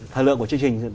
thời lượng của chương trình